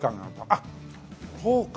あっそうか！